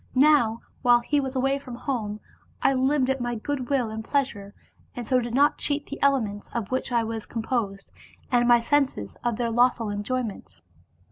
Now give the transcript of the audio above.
Now while he was away from home, I lived at my good will and pleasure, and so did not cheat the elements, of which I was composed, and my senses, of their lawful enjoyment.